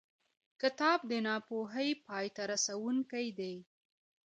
کتاب د ناپوهۍ پای ته رسوونکی دی.